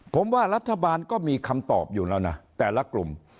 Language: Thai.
ผมว่ารัฐบาลก็มีคำตอบอยู่แล้วนะแต่ละกลุ่ม